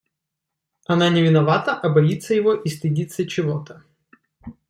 Она не виновата, а боится его и стыдится чего-то.